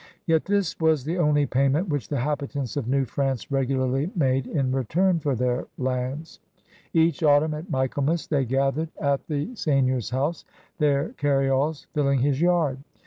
Yet this was the only payment which the habitants of New France regularly made in return for their lands. Each autimm at Michaelmas they gathered at the SEIGNEURS OF OLD CANADA 149 seigneur's house, their canyalls filling his yard.